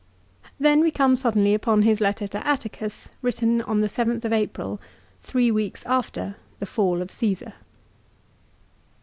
Then we come sud denly upon his letter to Atticus, written on the 7th April, three weeks after the fall of Caesar.